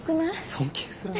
尊敬するね。